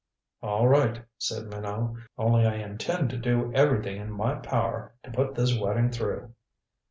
"All right," said Minot. "Only I intend to do every thing in my power to put this wedding through."